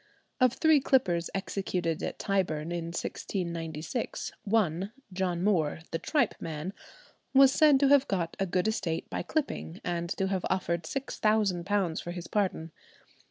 Of three clippers executed at Tyburn in 1696, one, John Moore, "the tripe man," was said to have got a good estate by clipping, and to have offered £6,000 for his pardon.